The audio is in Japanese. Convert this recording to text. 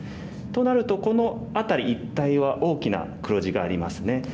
となるとこの辺り一帯は大きな黒地がありますね。